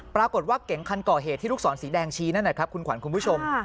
ปรากฏว่าเก๋งคันก่อเหตุที่ลูกศรสีแดงชี้นั่นนะครับคุณขวัญคุณผู้ชม